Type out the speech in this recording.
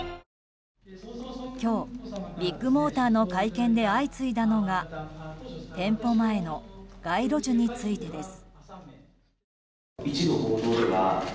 今日、ビッグモーターの会見で相次いだのが店舗前の街路樹についてです。